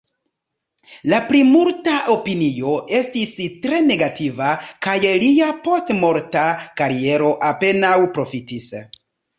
La plimulta opinio estis tre negativa, kaj lia postmorta kariero apenaŭ profitis.